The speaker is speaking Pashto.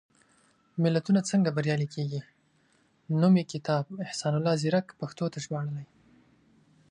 ملتونه څنګه بریالي کېږي؟ نومي کتاب، احسان الله ځيرک پښتو ته ژباړلی.